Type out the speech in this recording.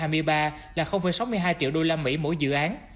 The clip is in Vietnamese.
quý i ra hai nghìn hai mươi ba là sáu mươi hai triệu usd mỗi dự án